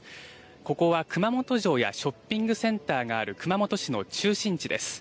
ここは熊本城やショッピングセンターがある熊本市の中心地です。